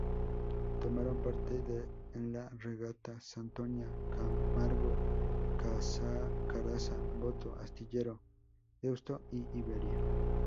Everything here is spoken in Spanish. Tomaron parte en la regata Santoña, Camargo, Carasa-Voto, Astillero, Deusto e Iberia.